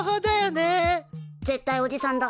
絶対おじさんだ。